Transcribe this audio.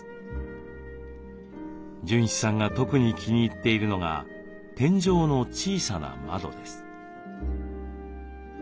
純一さんが特に気に入っているのが天井の小さな窓です。